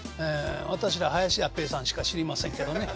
私は林家ペーさんしか知りませんけどね。